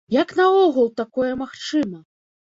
Як наогул такое магчыма?